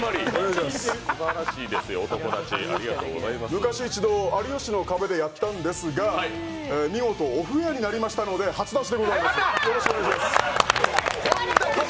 昔一度、「有吉の壁」でやったんですが見事、お蔵になりましたので初出しでございます。